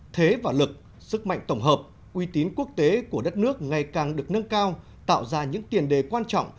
thế và lực sức mạnh tổng hợp uy tín quốc tế của đất nước ngày càng được nâng cao tạo ra những tiền đề quan trọng